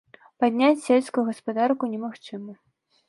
Падняць сельскую гаспадарку немагчыма.